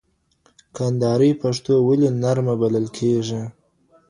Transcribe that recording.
کندهاري پښتو ولې نرمه بلل کيږي؟